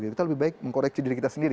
kita lebih baik mengkoreksi diri kita sendiri